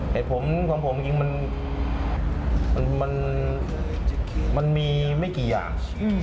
เหตุผลของผมจริงมันมีไม่กี่อย่าง